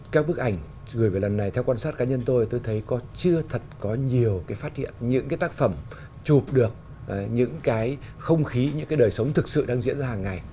các bức ảnh gửi về lần này theo quan sát cá nhân tôi tôi thấy chưa thật có nhiều phát hiện những tác phẩm chụp được những không khí những đời sống thực sự đang diễn ra hàng ngày